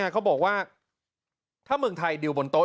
เขาบอกว่าถ้าเมืองไทยดิวบนโต๊